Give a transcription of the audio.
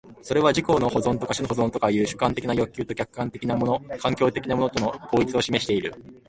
それは自己の保存とか種の保存とかという主観的な欲求と客観的なもの環境的なものとの統一を示している。